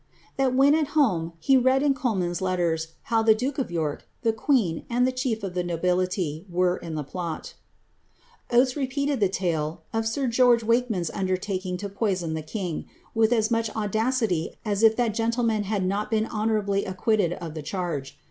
that wlien at home, he read in Coleman^s letters how the duke of York, the queen, and the chief of the nobility, were in the plol* Gates repeated the tale of sir George Wakeman^s undertaking to poieoi the king, wiiJi as much audacity as if that gentleman had not beci honourably acquitted of the charge.